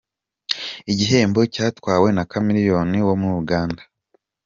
Igihembo cyatwawe na Chameleone wo muri Uganda.